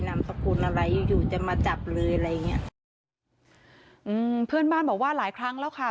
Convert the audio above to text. นามสกุลอะไรอยู่อยู่จะมาจับเลยอะไรอย่างเงี้ยอืมเพื่อนบ้านบอกว่าหลายครั้งแล้วค่ะ